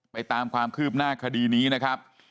ตามความคืบหน้าคดีนี้นะครับ